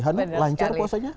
lalu lancar puasanya